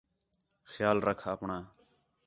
خیال رکھ آپݨاں